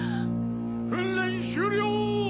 訓練終了！